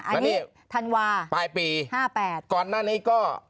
อันนี้ธันวาส์ปลายปีห้าแปดก่อนหน้านี้ก็